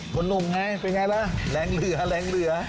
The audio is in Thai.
คนหนุ่มไงเป็นอย่างไรแล้วแรงเหลือ